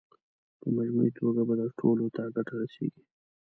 په مجموعي توګه به ټولو ته ګټه رسېږي.